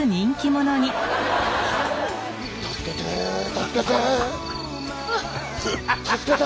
「助けて助けて」。